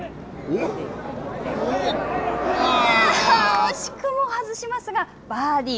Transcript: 惜しくも外しますがバーディー。